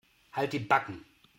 Halt die Backen.